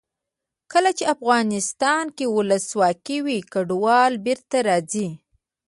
کله چې افغانستان کې ولسواکي وي کډوال بېرته راځي.